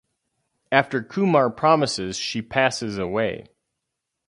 After Kumar promises she passes away.